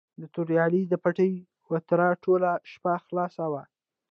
د توریالي د پټي وتره ټوله شپه خلاصه وه.